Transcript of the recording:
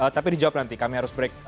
tapi dijawab nanti kami harus break